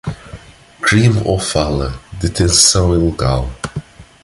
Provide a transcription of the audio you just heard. Crime ou falha: detenção ilegal.